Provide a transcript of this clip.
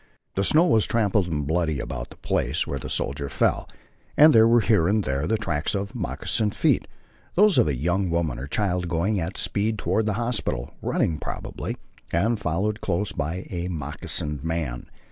The snow was trampled and bloody about the place where the soldier fell, and there were here and there the tracks of moccasined feet, those of a young woman or child going at speed toward the hospital, running, probably, and followed close by a moccasined man.